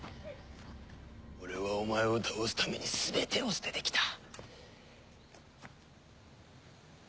俺はお前を倒すために全てを捨てて来た。